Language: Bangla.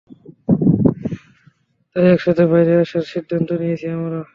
তাই একসাথে বাইরে আসার সিদ্ধান্ত নিয়েছি আমরা।